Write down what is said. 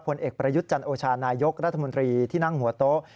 ผลเอกประยุทธ์จันโอชานายกรัฐมนตรีที่นั่งหัวโต๊ะ